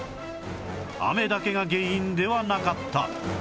雨だけが原因ではなかった